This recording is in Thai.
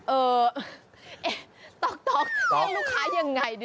เอ่อต๊อกเรียกลูกค้าอย่างไรดิ